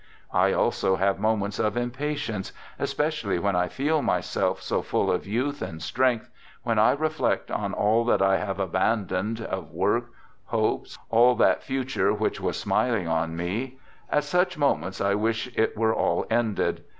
I also have moments of im patience, especially when I feel myself so full of youth and strength, when I reflect on all that I have abandoned, of work, hopes, all that future which was smiling on me, — at such moments I wish it were all ended.